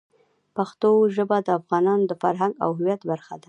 پښتو ژبه د افغانانو د فرهنګ او هویت برخه ده.